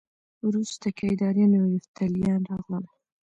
وروسته کیداریان او یفتلیان راغلل